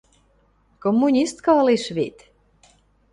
Коммунистка ылеш вет.